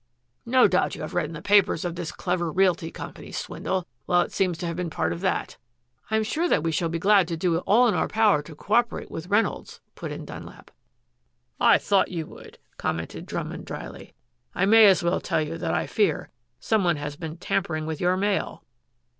"No doubt you have read in the papers of this clever realty company swindle? Well, it seems to have been part of that." "I am sure that we shall be glad to do all in our power to cooperate with Reynolds," put in Dunlap. "I thought you would," commented Drummond dryly. "I may as well tell you that I fear some one has been tampering with your mail."